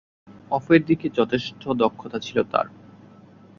অফের দিকে যথেষ্ট দক্ষতা ছিল তার।